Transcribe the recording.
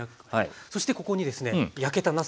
そしてここにですね焼けたなすが。